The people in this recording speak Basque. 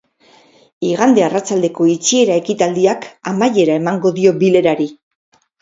Igande arratsaldeko itxiera ekitaldiak amaiera emango dio bilerari.